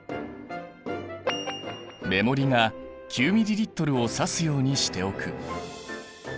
目盛りが９ｍＬを指すようにしておく。